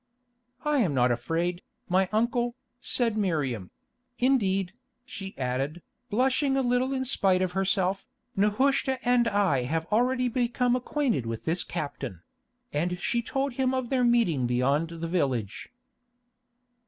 "I am not afraid, my uncle," said Miriam; "indeed," she added, blushing a little in spite of herself, "Nehushta and I have already become acquainted with this captain"; and she told him of their meeting beyond the village.